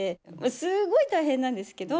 すごい大変なんですけど。